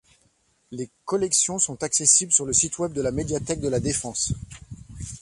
Les collections sont accessibles sur le site Web de la médiathèque de la Défense.